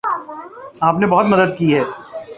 آپ نے بہت مدد کی ہے